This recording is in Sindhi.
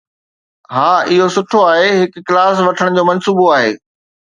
ها، اهو سٺو آهي. هڪ ڪلاس وٺڻ جو منصوبو آهي؟